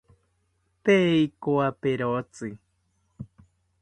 Tee ikowaperotzi